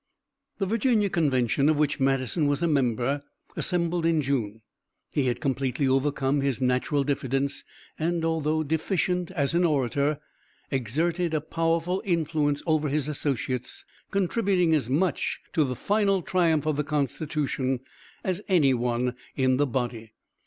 The Virginia convention, of which Madison was a member, assembled in June. He had completely overcome his natural diffidence and, although deficient as an orator, exerted a powerful influence over his associates, contributing as much to the final triumph of the constitution as any one in the body.